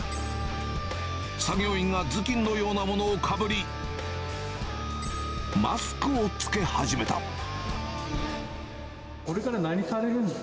作業員が頭巾のようなものをかぶり、これから何されるんですか？